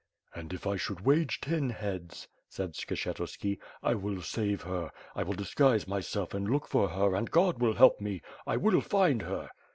^' "And if I should wage ten heads," said Skshetuski, 'T will save her. I will disguise myself and look for her and God win help me — I will find her."